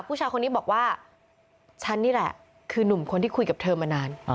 ผู้ชายคนนี้บอกว่าฉันนี่แหละคือนุ่มคนที่คุยกับเธอมานาน